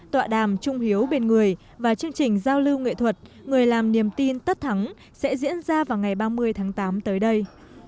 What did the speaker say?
tọa đàm trung hiếu bên người và chương trình giao lưu nghệ thuật người làm niềm tin tất thắng sẽ diễn ra vào ngày ba mươi tháng tám tới đây